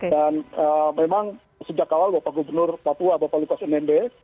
dan memang sejak awal bapak gubernur papua bapak likas mnd